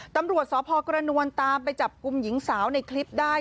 ตำรวจสพกระนวลตามไปจับกลุ่มหญิงสาวในคลิปได้